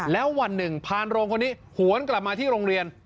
แล้ววันหนึ่งพานโรงคนนี้หวนกลับมาที่โรงเรียน